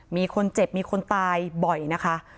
มีคนเจ็บมีคนตายบ่อยนะคะ